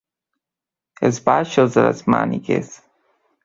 Els baixos de les mànigues.